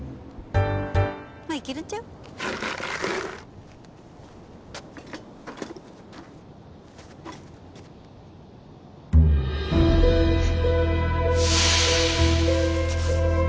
まあいけるんちゃう？え？